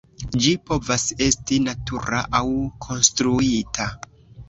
Ĝi povas esti natura aŭ konstruita.